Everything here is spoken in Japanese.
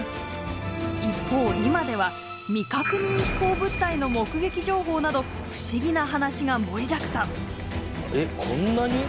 一方今では未確認飛行物体の目撃情報など不思議な話が盛りだくさん。